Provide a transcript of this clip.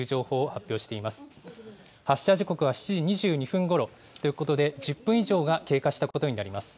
発射時刻は７時２２分ごろということで、１０分以上が経過したことになります。